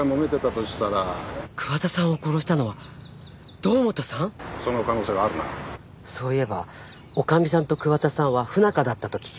そういえば女将さんと桑田さんは不仲だったと聞きました